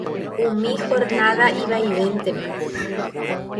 Umi jornada ivaivéntema.